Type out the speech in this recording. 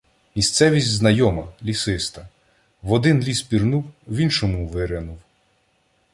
Місцевість знайома, лісиста; в один ліс пірнув — в іншому виринув.